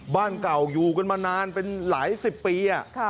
บ้านเก่าอยู่กันมานานเป็นหลายสิบปี